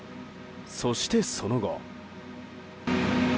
そして、その後。